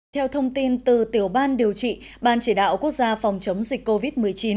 theo thông tin từ tiểu ban điều trị ban chỉ đạo quốc gia phòng chống dịch covid một mươi chín